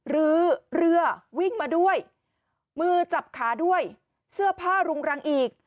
หรือเรือวิ่งมาด้วยมือจับขาด้วยเสื้อผ้ารุงรังอีก